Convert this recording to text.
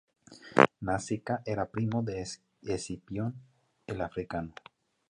Nasica era primo de Escipión el Africano.